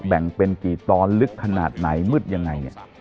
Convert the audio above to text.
แบ่งเป็นกี่ตอนลึกขนาดไหนมืดยังไงเนี่ย